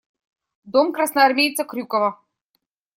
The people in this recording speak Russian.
Дом красноармейца Крюкова.